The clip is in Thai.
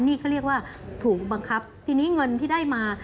นี่เขาเรียกว่าถูกบังคับทีนี้เงินที่ได้มา